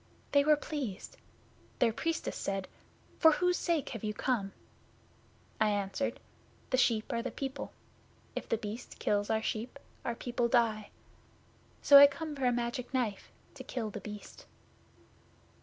They were pleased. Their Priestess said, "For whose sake have you come?" I answered, "The sheep are the people. If The Beast kills our sheep, our people die. So I come for a Magic Knife to kill The Beast."